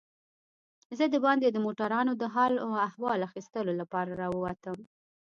زه دباندې د موټرانو د حال و احوال اخیستو لپاره راووتم.